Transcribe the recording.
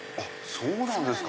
そうなんですか。